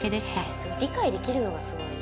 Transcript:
理解できるのがすごい。